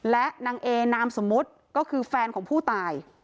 และนางเอนามสมมุติก็คือแฟนของผู้ตาย